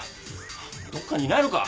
どっかにいないのか！？